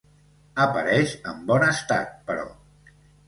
Apareix en bon estat, però.